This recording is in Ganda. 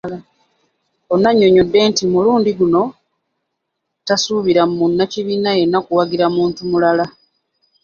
Ono annyonnyodde nti ku mulundi guno taasubira munnakibiina yenna kuwagira muntu mulala